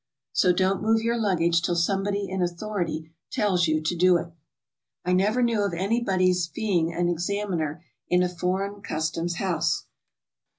So don't move your luggage till somebody in authority tells you to do it. I never knew of anybody's feeing an examiner in a SOMEWHAT FINANCIAL. 193 foreign customs house.